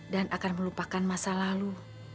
dan akan melupakan masa lalu